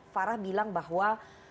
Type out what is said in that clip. farah bilang bahwa